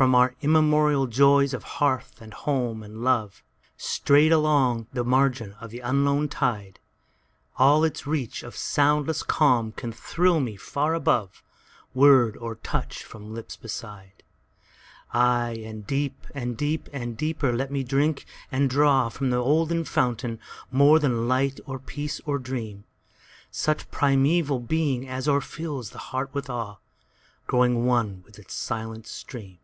From our immemorial joys of hearth and home and loveStrayed away along the margin of the unknown tide, All its reach of soundless calm can thrill me far aboveWord or touch from the lips beside. Aye, and deep and deep and deeper let me drink and drawFrom the olden fountain more than light or peace or dream, Such primeval being as o'erfills the heart with awe, Growing one with its silent stream.